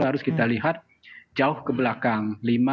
harus kita lihat jauh ke belakang